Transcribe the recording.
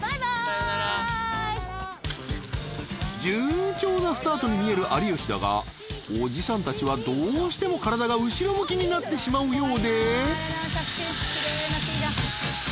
［順調なスタートに見える有吉だがおじさんたちはどうしても体が後ろ向きになってしまうようで］